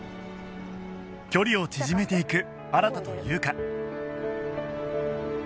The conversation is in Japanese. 距離を縮めていく新と優香